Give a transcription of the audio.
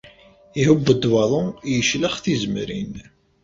Ihubb-d waḍu, yeclex tizemrin.